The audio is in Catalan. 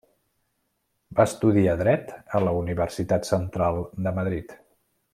Va estudiar Dret a la Universitat Central de Madrid.